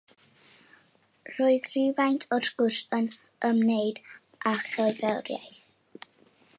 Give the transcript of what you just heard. Roedd rhywfaint o'r sgwrs yn ymwneud â cherddoriaeth.